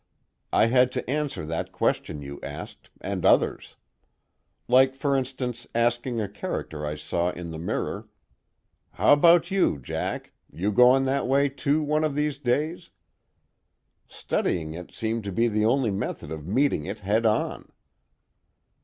I had to answer that question you asked, and others. Like for instance asking a character I saw in the mirror: How about you, Jack, you going that way too one of these days? Studying it seemed to be the only method of meeting it head on."